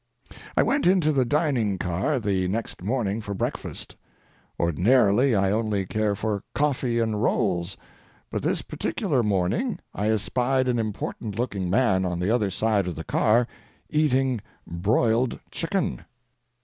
I went into the dining car the next morning for breakfast. Ordinarily I only care for coffee and rolls, but this particular morning I espied an important looking man on the other side of the car eating broiled chicken.